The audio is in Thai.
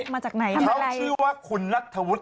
เขาชื่อว่าคุณนักถวุฒิ